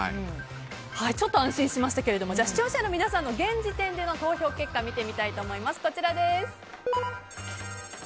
ちょっと安心しましたが視聴者の皆さんの現時点での投票結果を見てみたいと思います。